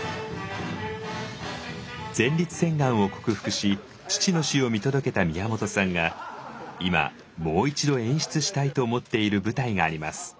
前立腺がんを克服し父の死を見届けた宮本さんが今もう一度演出したいと思っている舞台があります。